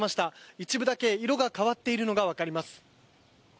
一部だけ色が変わっているのがわかります。